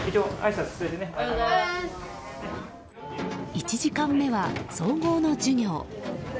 １時間目は、総合の授業。